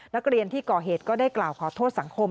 นักเรียนที่ก่อเหตุก็ได้กล่าวขอโทษสังคม